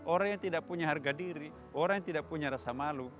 orang yang tidak punya harga diri orang yang tidak punya rasa malu